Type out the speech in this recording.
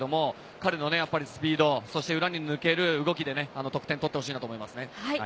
彼のスピード、裏に抜ける動きで得点を取ってほしいと思います。